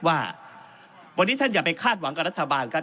ว่าวันนี้ท่านอย่าไปคาดหวังกับรัฐบาลครับ